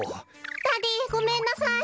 ダディーごめんなさい！